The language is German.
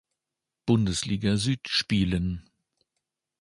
Bundesliga Süd spielen.